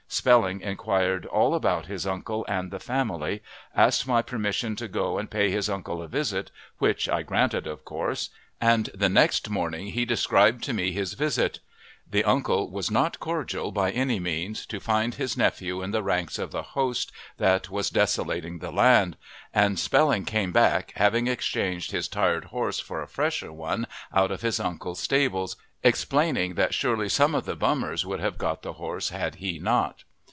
Spelling inquired all about his uncle and the family, asked my permission to go and pay his uncle a visit, which I granted, of course, and the next morning he described to me his visit. The uncle was not cordial, by any means, to find his nephew in the ranks of the host that was desolating the land, and Spelling came back, having exchanged his tired horse for a fresher one out of his uncle's stables, explaining that surely some of the "bummers" would have got the horse had he not.